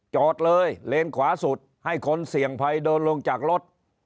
จอดเลยเลนขวาสุดให้คนเสี่ยงภัยเดินลงจากรถ